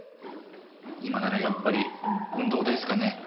今ならやっぱり運動ですかね。